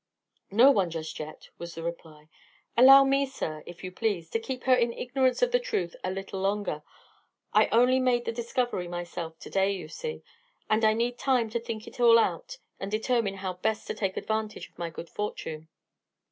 "No one, just yet," was the reply. "Allow me, sir, if you please, to keep her in ignorance of the truth a little longer. I only made the discovery myself today, you see, and I need time to think it all out and determine how best to take advantage of my good fortune."